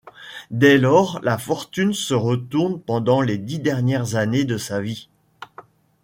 Dès lors la fortune se retourne pendant les dix dernières années de sa vie.